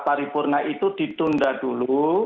tarifurna itu ditunda dulu